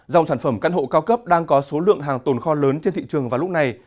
dòng sản phẩm căn hộ cao cấp đang có số lượng hàng tồn kho lớn trên thị trường vào lúc này